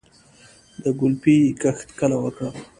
د ګلپي کښت کله وکړم؟